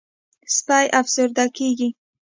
سپي افسرده کېږي.